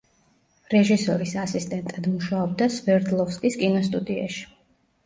რეჟისორის ასისტენტად მუშაობდა სვერდლოვსკის კინოსტუდიაში.